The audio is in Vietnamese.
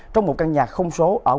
trong một căn nhà không số ở quần ca kia